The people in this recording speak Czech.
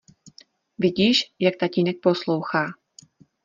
Vidíš, jak tatínek poslouchá.